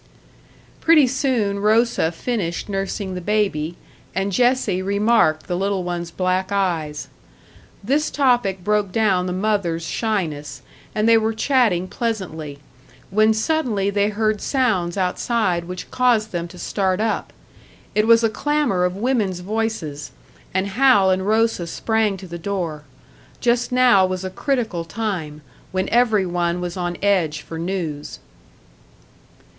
Pretty soon Rosa finished nursing the baby, and Jessie remarked the little one's black eyes. This topic broke down the mother's shyness, and they were chatting pleasantly, when suddenly they heard sounds outside which caused them to start up. It was a clamour of women's voices; and Hal and Rosa sprang to the door. Just now was a critical time, when every one was on edge for news.